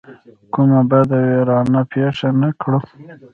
کومه بده ویرانه پېښه نه کړي.